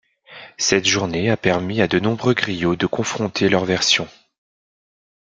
Cette journée a permis à de nombreux griots de confronter leur version.